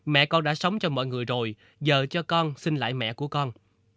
mẹ con đã sống cho mọi người rồi giờ cho con sinh lại mẹ của con